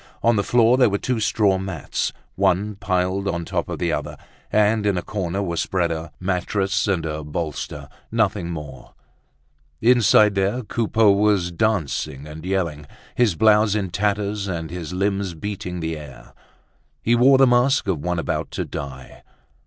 On the floor there were two straw mats, one piled on top of the other; and in a corner were spread a mattress and a bolster, nothing more. Inside there Coupeau was dancing and yelling, his blouse in tatters and his limbs beating the air. He wore the mask of one about to die.